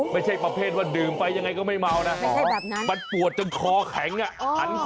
ไม่ใช่ประเภทว่าดื่มไปยังไงก็ไม่เมานะ